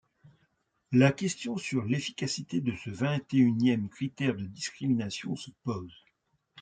La question sur l'efficacité de ce vingt-et-unième critère de discrimination se pose.